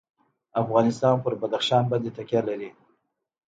افغانستان په بدخشان باندې تکیه لري.